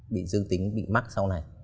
bị dương tính bị mắc sau này